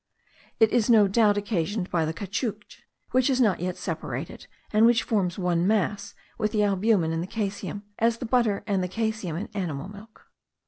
It is no doubt occasioned by the caoutchouc, which is not yet separated, and which forms one mass with the albumen and the caseum, as the butter and the caseum in animal milk.